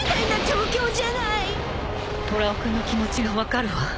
［トラ男君の気持ちが分かるわ］